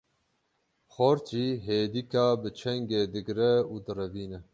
Xort jî hêdika bi çengê digre û direvîne.